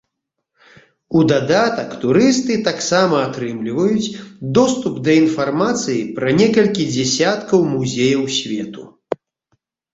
У дадатак турысты таксама атрымліваюць доступ да інфармацыі пра некалькі дзесяткаў музеяў свету.